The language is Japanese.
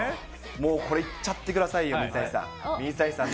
もう、これいっちゃってくださいよ、水谷さん。